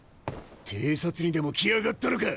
偵察にでも来やがったのか？